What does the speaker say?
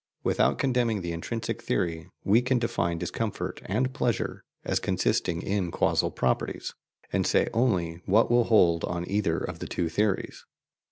Without condemning the intrinsic theory, we can define discomfort and pleasure as consisting in causal properties, and say only what will hold on either of the two theories.